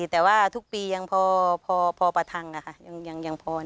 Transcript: แต่ว่าทุกปียังพอประทังยังพอ